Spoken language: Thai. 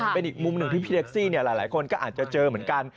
เป็นอีกมุมหนึ่งที่พี่แท็กซี่หลายคนก็อาจจะเจอเหมือนกัน